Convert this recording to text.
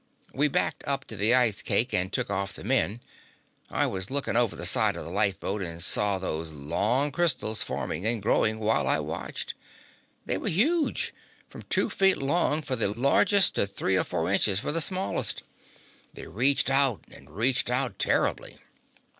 We backed up to the ice cake and took off the men. I was looking over the side of the life boat, and saw those long crystals forming and growing while I watched. They were huge, from two feet long for the largest to three or four inches for the smallest. They reached out and reached out terribly.